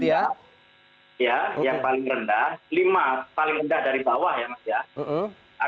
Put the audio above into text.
yang paling rendah lima paling rendah dari bawah ya mas ya